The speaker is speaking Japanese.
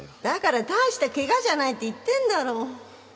だから大したケガじゃないって言ってんだろ。